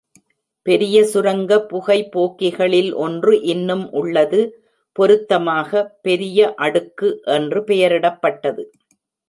பெரிய சுரங்க புகைபோக்கிகளில் ஒன்று இன்னும் உள்ளது, பொருத்தமாக 'பெரிய அடுக்கு' என்று பெயரிடப்பட்டது.